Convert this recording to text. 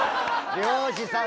漁師さん